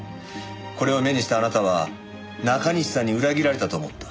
これを目にしたあなたは中西さんに裏切られたと思った。